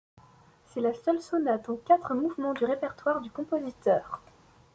C'est la seule sonate en quatre mouvements du répertoire du compositeur.